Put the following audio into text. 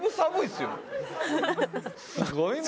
すごいな。